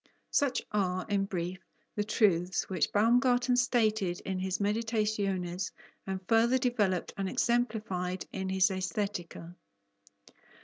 Such are, in brief, the truths which Baumgarten stated in his Meditationes, and further developed and exemplified in his Aesthetica.